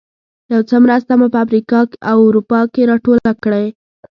یو څه مرسته مو په امریکا او اروپا کې راټوله کړې.